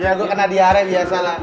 iya gue kena diare biasa lah